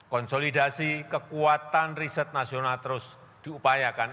konsolidasi kekuatan riset nasional terus diupayakan